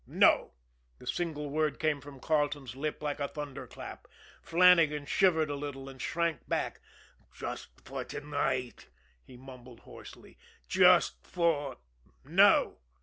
"No!" the single word came from Carleton's lips like a thunder clap. Flannagan shivered a little and shrank back. "Just for to night," he mumbled hoarsely. "Just for " "No!"